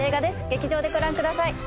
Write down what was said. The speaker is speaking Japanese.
劇場でご覧ください。